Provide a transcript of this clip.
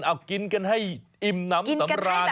เอากินกันให้อิ่มน้ำสำราญ